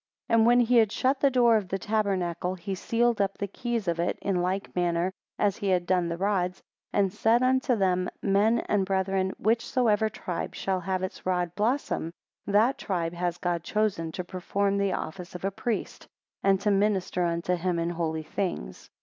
11 And when he had shut the door of the tabernacle, he sealed up the keys of it, in like manner as he had done the rods; and said unto them, Men and brethren, whichsoever tribe shall have its rod blossom, that tribe has God chosen to perform the office of a priest, and to minister unto him in holy things.